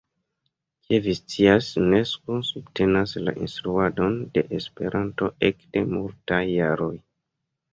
Kiel vi scias, Unesko subtenas la instruadon de Esperanto ekde multaj jaroj.